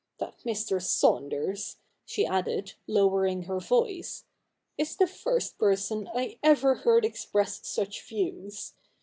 That Mr. Saunders,' she added, lowering her voice, 'is the first person I ever heard express such views.